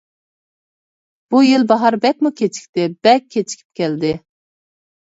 بۇ يىل باھار بەكمۇ كېچىكتى، بەك كېچىكىپ كەلدى.